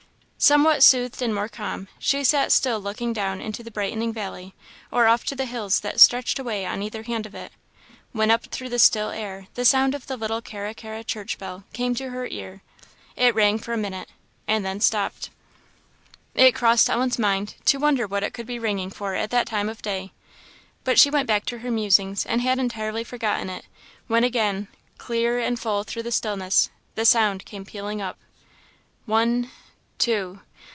Somewhat soothed and more calm, she sat still looking down into the brightening valley, or off to the hills that stretched away on either hand of it; when up through the still air the sound of the little Carra carra church bell came to her ear. It rang for a minute and then stopped. It crossed Ellen's mind to wonder what it could be ringing for at that time of day; but she went back to her musings and had entirely forgotten it, when again, clear and full through the stillness, the sound came pealing up. "One two!"